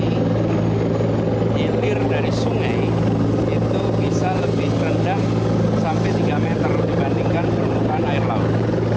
hilir dari sungai itu bisa lebih rendah sampai tiga meter dibandingkan permukaan air laut